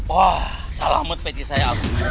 wah salamut peci saya